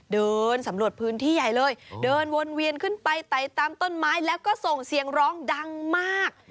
เดินสำรวจพื้นที่ใหญ่เลยเดินวนเวียนขึ้นไปไตตามต้นไม้แล้วก็ส่งเสียงร้องดังมาก